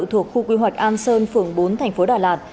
thuộc khu quy hoạch an sơn phường bốn thành phố đà lạt